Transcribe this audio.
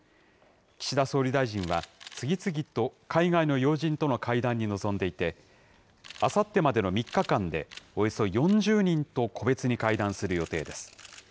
岸田総理大臣は、次々と海外の要人との会談に臨んでいて、あさってまでの３日間で、およそ４０人と個別に会談する予定です。